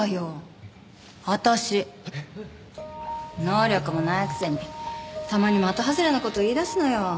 能力もないくせにたまに的外れな事言いだすのよ。